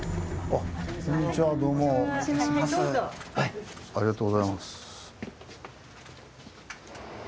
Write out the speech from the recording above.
ありがとうございます。